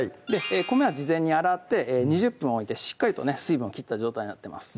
米は事前に洗って２０分置いてしっかりとね水分を切った状態になってます